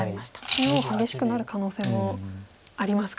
中央激しくなる可能性もありますか。